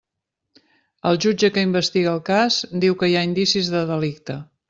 El jutge que investiga el cas diu que hi ha indicis de delicte.